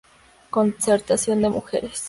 Concertación de Mujeres.